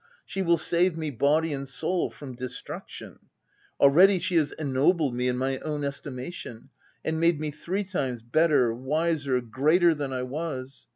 She will save me, body and soul, from de struction. Already, she has ennobled me in my own estimation, and made me three times better, wiser, greater than I was.